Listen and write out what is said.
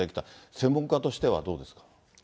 専門家としてはどうですか？